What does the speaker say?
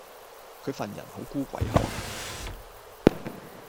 佢份人好孤鬼寒